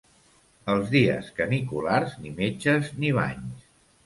Els dies caniculars, ni metges ni banys.